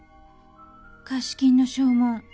貸金の証文。